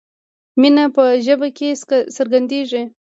مینه په ژبه کې څرګندیږي.